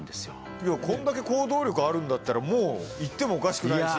いやこんだけ行動力あるんだったらもう行ってもおかしくないし。